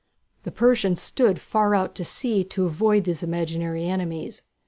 The Persians stood far out to sea to avoid these imaginary enemies.